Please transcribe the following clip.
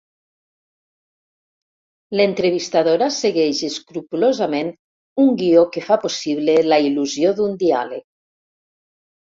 L'entrevistadora segueix escrupolosament un guió que fa possible la il·lusió d'un diàleg.